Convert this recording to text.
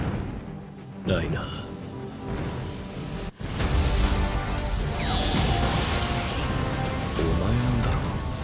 ライナーお前なんだろ？